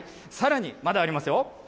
さらに、まだありますよ。